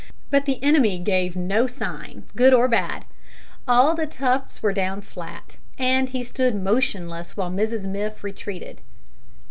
But the enemy gave no sign, good or bad. All the tufts were down flat, and he stood motionless while Mrs Miff retreated.